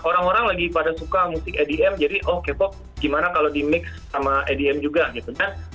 orang orang lagi pada suka musik edm jadi oh k pop gimana kalau di mix sama edm juga gitu kan